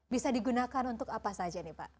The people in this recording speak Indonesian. bisa digunakan untuk apa saja nih pak